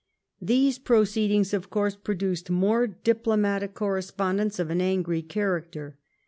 These proceedings of course produced more diplomatic correspondence of an augry character.